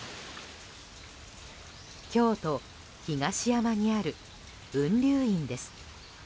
京都・東山にある雲龍院です。